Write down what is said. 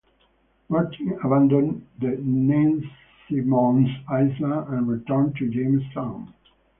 Martin abandoned the Nansemonds' island and returned to Jamestown.